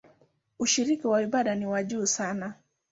Ushiriki wa ibada ni wa juu sana.